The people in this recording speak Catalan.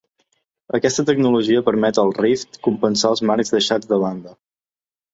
Aquesta tecnologia permet al Rift compensar els marcs deixats de banda.